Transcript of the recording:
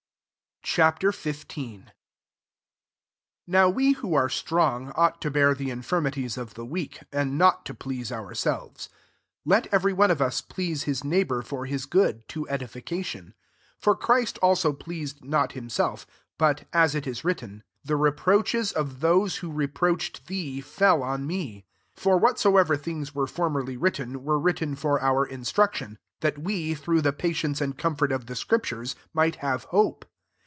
fCH. XV. 1 NOW we who are strong ought to bear the infirmities of the weak, and not to please ourselves. Sl ^et every one of us please Ms neighbour for hia good, to edification. 3 For Christ also pleased not himself; but, as it is written, '* The reproaches of those who reproached thee fell on me." 4 For whatsoever things were formerly written, were written for our instruction ; that we, through the patience and com fort of the scriptures, might have hope.